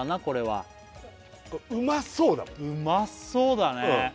これはうまそうだもんうまそうだね